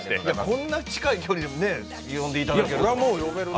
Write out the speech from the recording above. こんな近い距離で呼んでいただけるなんて。